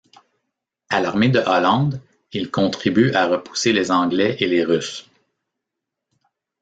À l'armée de Hollande, il contribue à repousser les Anglais et les Russes.